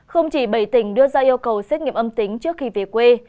không chỉ bảy tỉnh đưa ra yêu cầu xét nghiệm âm tính trước khi về quê